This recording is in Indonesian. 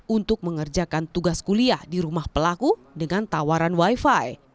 untuk mengerjakan tugas kuliah di rumah pelaku dengan tawaran wifi